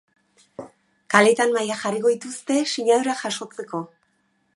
Kaleetan mahaiak jarriko dituzte sinadurak jasotzeko.